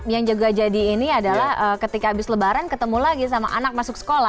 yang juga jadi ini adalah ketika habis lebaran ketemu lagi sama anak masuk sekolah